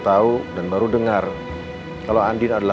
ada yang mau ketemu lo